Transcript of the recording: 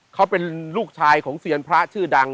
เขาเป็นลูกชายของเซียนพระชื่อดัง